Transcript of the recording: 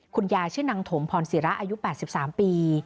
คุณยายชื่อนางถมพรศิระอายุ๘๓ปี